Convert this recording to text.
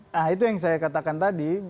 nah itu yang saya katakan tadi